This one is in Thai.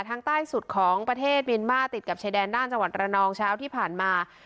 ทางใต้สุดของประเทศเมียนมาติดกับชายแดนด้านจังหวัดระนองเช้าที่ผ่านมา